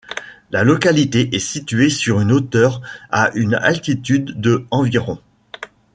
La localité est située sur une hauteur à une altitude de environ.